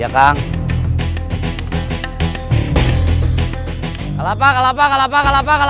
kerja buat istri sama anak kamu